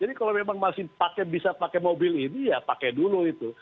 jadi kalau memang masih pakai bisa pakai mobil ini ya pakai dulu itu